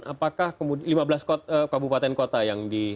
apakah lima belas kabupaten kota yang di